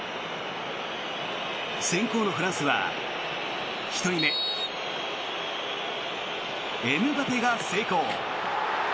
先攻のフランスは１人目、エムバペが成功。